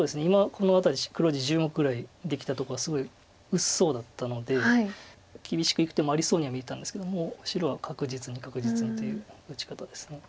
今この辺り黒地１０目ぐらいできたとこはすごい薄そうだったので厳しくいく手もありそうには見えたんですけどもう白は確実に確実にという打ち方です。